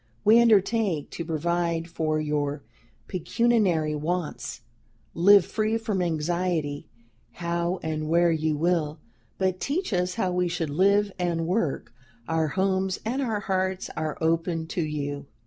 We undertake to provide for your pecuniary wants; live free from anxiety, how, and where you will; but teach us how we should live and work; our homes and our hearts are open to you."